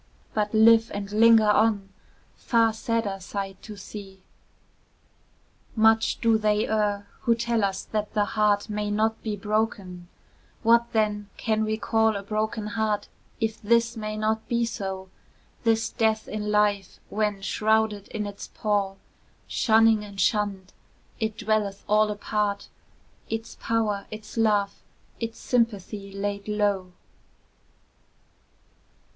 But live and linger on, far sadder sight to see; Much do they err, who tell us that the heart May not be broken; what, then, can we call A broken heart, if this may not be so, This death in life, when, shrouded in its pall, Shunning and shunned, it dwelleth all apart, Its power, its love, its sympathy laid low?